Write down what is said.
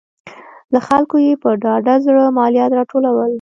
له خلکو یې په ډاډه زړه مالیات راټولول